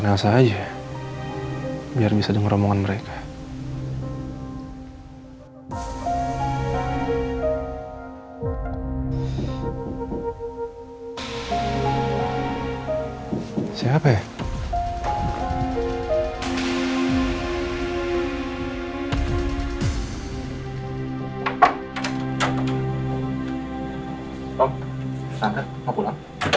tante mau ucapin terima kasih banyak ya